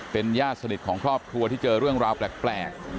เป็นญาติสนิทของครอบครัวที่เจอเรื่องราวแปลก